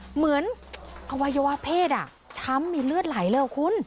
เหมือนอวัยวะเพศช้ำมีเลือดไหลเลยคุณ